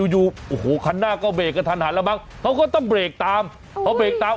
อยู่โอ้โหคันหน้าก็เบรกกันทันหันแล้วมั้งเขาก็ต้องเบรกตามพอเบรกตาม